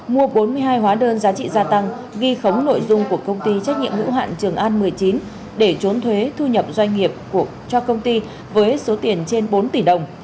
mua bốn mươi hai hóa đơn giá trị gia tăng ghi khống nội dung của công ty trách nhiệm hữu hạn trường an một mươi chín để trốn thuế thu nhập doanh nghiệp cho công ty với số tiền trên bốn tỷ đồng